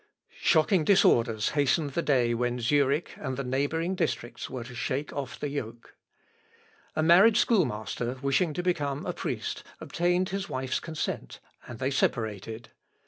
Shocking disorders hastened the day when Zurich and the neighbouring districts were to shake off the yoke. A married schoolmaster wishing to become a priest, obtained his wife's consent, and they separated.